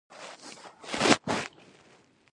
ـ هلو، مهرباني وکړئ، قانع خبرې کوم.